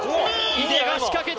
井手が仕掛けた！